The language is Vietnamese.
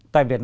tại việt nam